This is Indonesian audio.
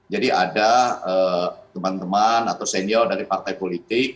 jadi ada teman teman atau senior dari partai politik